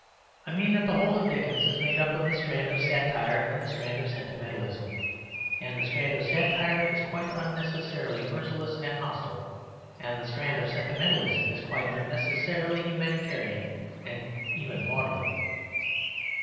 I mean that the whole of Dickens is made up of the strand of satire and the strand of sentimentalism; and the strand of satire is quite unnecessarily merciless and hostile, and the strand of sentimentalism is quite unnecessarily humanitarian and even maudlin.